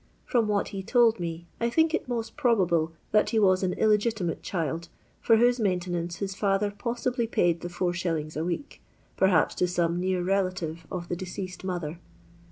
From what he told me, I think it meet probable that he was an illegitimate child, far whose maintenance his father possibly paid the is, a week, perhm to some near relative of the deceased mother.